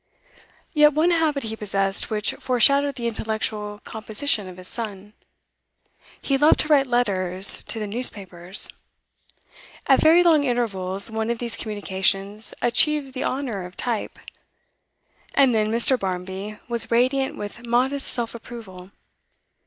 Yet one habit he possessed which foreshadowed the intellectual composition of his son, he loved to write letters to the newspapers. At very long intervals one of these communications achieved the honour of type, and then Mr Barmby was radiant with modest self approval.